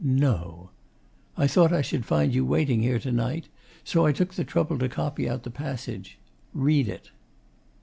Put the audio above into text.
'No!' 'I thought I should find you waiting here to night. So I took the trouble to copy out the passage. Read it.